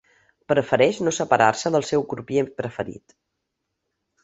Prefereix no separar-se del seu crupier preferit.